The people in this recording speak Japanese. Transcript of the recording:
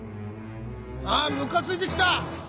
あムカついてきた！